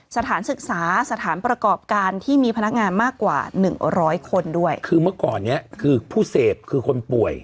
สถานศึกษาสถานประกอบการที่มีพนักงานมากกว่าหนึ่งร้อยคนด้วยคือเมื่อก่อนเนี้ยคือผู้เสพคือคนป่วย